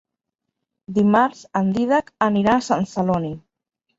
Dimarts en Dídac anirà a Sant Celoni.